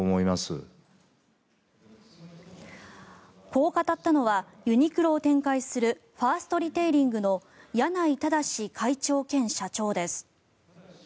こう語ったのはユニクロを展開するファーストリテイリングの柳井正会長兼社長です。